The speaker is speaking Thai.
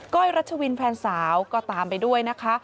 ้อยรัชวินแฟนสาวก็ตามไปด้วยนะคะ